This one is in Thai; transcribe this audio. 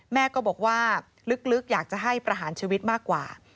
แม่ก็บอกว่าลึกอยากจะให้ประหารชีวิตมากกว่า